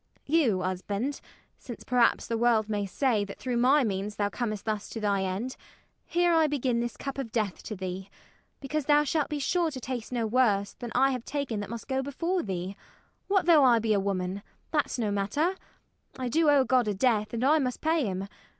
You, husband, since perhaps the world may say That through my means thou comest thus to thy end, Here I begin this cup of death to thee, Because thou shalt be sure to taste no worse Than I have taken that must go before thee. What though I be a woman? that's no matter; I do owe God a death, and I must pay him.